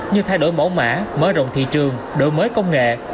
như thay đổi mẫu mã mở rộng thị trường đổi mới công nghệ